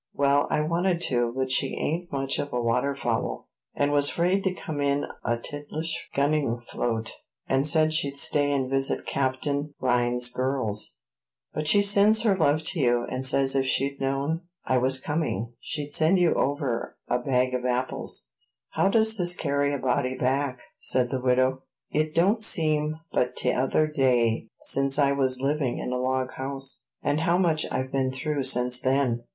"Well, I wanted to; but she ain't much of a water fowl, and was afraid to come in a tittlish gunning float, and said she'd stay and visit Captain Rhines's girls; but she sends her love to you, and says if she'd known I was coming, she'd sent you over a bag of apples." "How this does carry a body back!" said the widow; "it don't seem but t'other day since I was living in a log house; and how much I've been through since then!"